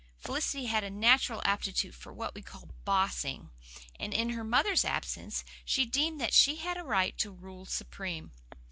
Felicity had a natural aptitude for what we called "bossing," and in her mother's absence she deemed that she had a right to rule supreme.